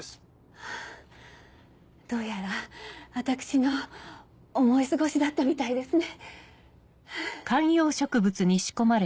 ハァどうやら私の思い過ごしだったみたいですね。